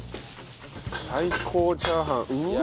最高チャーハンうわ！